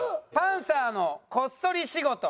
パンサーのこっそり仕事。